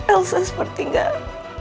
elsa seperti gak